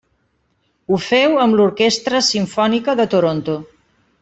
Ho féu amb l'Orquestra Simfònica de Toronto.